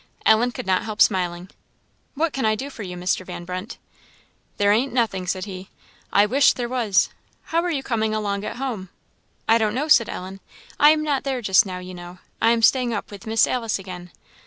Ellen could not help smiling. "What can I do for you, Mr. Van Brunt?" "There ain't nothing," said he; "I wish there was. How are you coming along at home?" "I don't know," said Ellen "I am not there just now, you know; I am staying up with Miss Alice again."